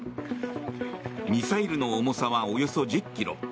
ミサイルの重さはおよそ１０ｋｇ。